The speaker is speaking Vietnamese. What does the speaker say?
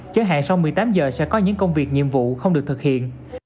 chẳng hạn sau một mươi tám giờ sẽ có những công việc nhiệm vụ không được thực hiện